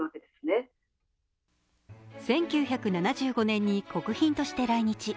１９７５年に国賓として来日。